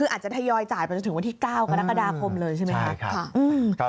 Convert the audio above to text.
คืออาจจะทยอยจ่ายไปจนถึงวันที่๙กรกฎาคมเลยใช่ไหมครับ